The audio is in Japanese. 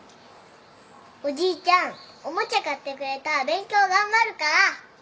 おじいちゃんおもちゃ買ってくれたら勉強頑張るから。